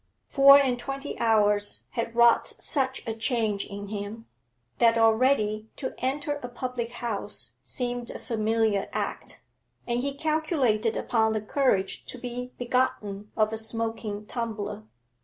Four and twenty hours had wrought such a change in him, that already to enter a public house seemed a familiar act, and he calculated upon the courage to be begotten of a smoking tumbler.